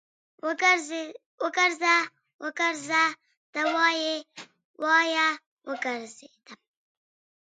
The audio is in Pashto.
وګرځه، وګرځه ته وايې، وايه وګرځېدم